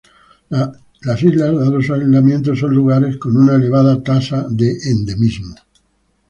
Las islas, dado su aislamiento, son lugares con una elevada tasa de endemismo.